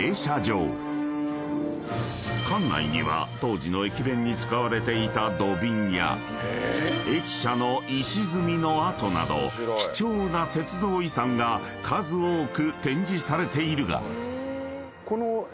［館内には当時の駅弁に使われていた土瓶や駅舎の石積みの跡など貴重な鉄道遺産が数多く展示されているが］